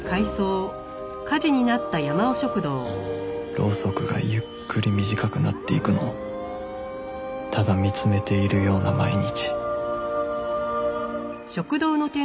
ろうそくがゆっくり短くなっていくのをただ見つめているような毎日